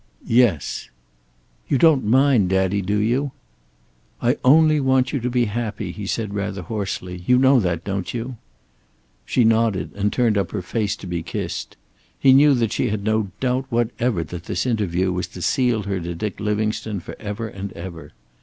"Yes." "You don't mind, daddy, do you?" "I only want you to be happy," he said rather hoarsely. "You know that, don't you?" She nodded, and turned up her face to be kissed. He knew that she had no doubt whatever that this interview was to seal her to Dick Livingstone for ever and ever.